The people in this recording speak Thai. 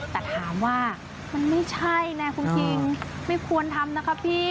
แต่ถามว่ามันไม่ใช่นะคุณคิงไม่ควรทำนะคะพี่